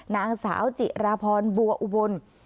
นางสาวจิราพรบัวอุบล